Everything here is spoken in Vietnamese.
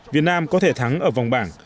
việt nam có thể thắng ở vòng bảng